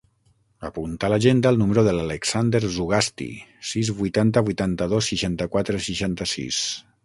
Apunta a l'agenda el número de l'Alexander Zugasti: sis, vuitanta, vuitanta-dos, seixanta-quatre, seixanta-sis.